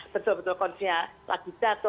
betul betul kondisinya lagi jatuh